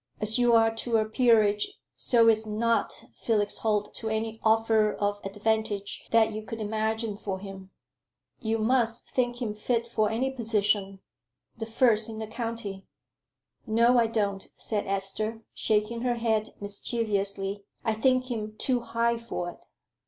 "As you are to a peerage so is not Felix Holt to any offer of advantage that you could imagine for him." "You must think him fit for any position the first in the county." "No, I don't," said Esther, shaking her head mischievously. "I think him too high for it."